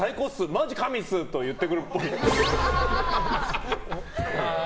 マジ神っす！と言ってくるっぽい。